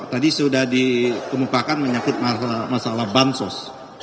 tadi sudah dikemukakan menyangkut masalah bansos